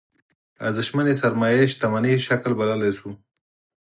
ارزشمنې سرمايې شتمنۍ شکل بللی شو.